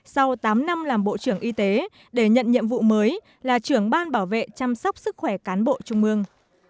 sau tám năm làm bộ trưởng y tế để nhận nhiệm vụ mới là trưởng ban bảo vệ chăm sóc sức khỏe cán bộ trung mương